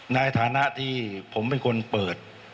ในฐานะที่ผมเป็นคนเปิด